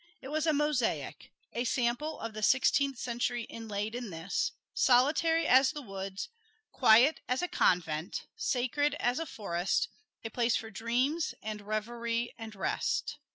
It was a mosaic a sample of the Sixteenth Century inlaid in this; solitary as the woods; quiet as a convent; sacred as a forest; a place for dreams, and reverie, and rest.